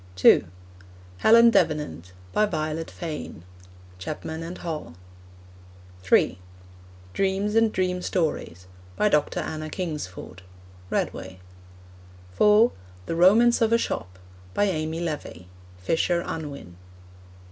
(2) Helen Davenant. By Violet Fane. (Chapman and Hall.) (3) Dreams and Dream Stories. By Dr. Anna Kingsford. (Redway.) (4) The Romance of a Shop. By Amy Levy. (Fisher Unwin.)